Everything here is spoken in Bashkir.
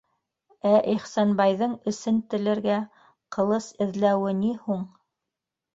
Ә Ихсанбайҙың эсен телергә ҡылыс эҙләүе ни һуң?